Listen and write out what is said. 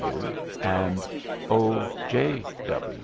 W. AND O. J.